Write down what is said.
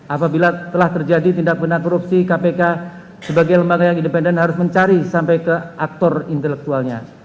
apabila telah terjadi tindak benar korupsi kpk sebagai lembaga yang independen harus mencari sampai ke aktor intelektualnya